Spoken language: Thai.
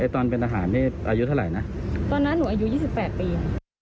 ตอนเป็นอาหารนี่อายุเท่าไหร่นะตอนนั้นหนูอายุยี่สิบแปดปี